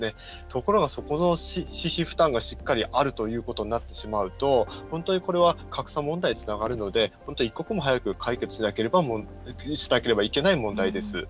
ところが、そこの私費負担がしっかりあるということになってしまうと本当にこれは格差問題につながるので一刻も早く解決しなければいけない問題です。